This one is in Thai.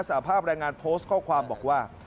สาภาพแรงงานโพสต์ข้อความบอกว่า